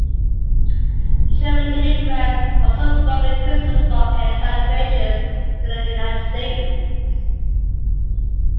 German immigrants also brought the Christmas market celebrations to the United States.